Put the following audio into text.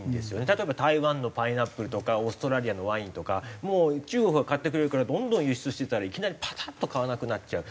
例えば台湾のパイナップルとかオーストラリアのワインとかもう中国が買ってくれるからどんどん輸出してたらいきなりパタッと買わなくなっちゃう。